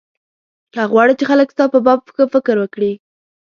که غواړې چې خلک ستا په باب ښه فکر وکړي.